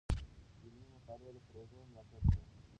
د علمي مقالو د پروژو ملاتړ کول.